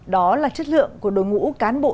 đó là chất lượng của đội ngũ cán bộ